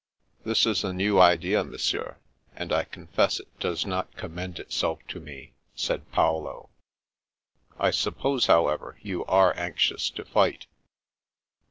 " This is a new idea. Monsieur, and I confess it does not commend itself to me," said Paolo. " I suppose, however, you are anxious to fight